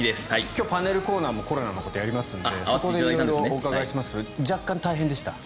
今日パネルのコーナーでもコロナのことやりますのでその辺お伺いしますが大変でした？